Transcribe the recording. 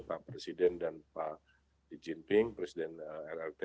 pak presiden dan pak xi jinping presiden rlt